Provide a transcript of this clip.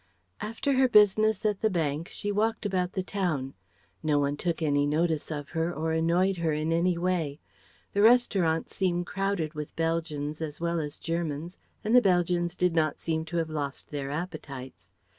After her business at the bank she walked about the town. No one took any notice of her or annoyed her in any way. The restaurants seemed crowded with Belgians as well as Germans, and the Belgians did not seem to have lost their appetites.